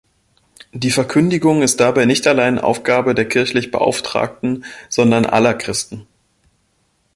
Die Verkündigung ist dabei nicht allein Aufgabe der kirchlich Beauftragten, sondern aller Christen.